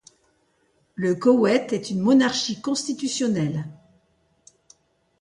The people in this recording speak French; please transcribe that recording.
Le Koweït est une monarchie constitutionnelle.